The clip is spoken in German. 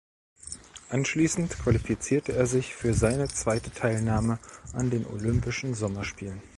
Anschließend qualifizierte er sich für seine zweite Teilnahme an den Olympischen Sommerspielen.